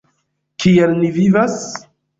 Kiel ni vivas?